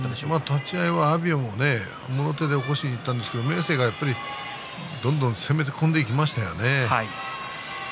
立ち合い阿炎ももろ手で起こしにいったんですが明生が、どんどん攻め込んでいきましたよね。